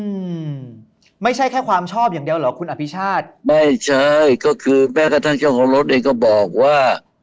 อืมไม่ใช่แค่ความชอบอย่างเดียวเหรอคุณอภิชาติไม่ใช่ก็คือแม้กระทั่งเจ้าของรถเองก็บอกว่า